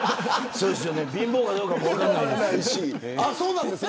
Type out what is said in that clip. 貧乏かどうかも分からないですしね。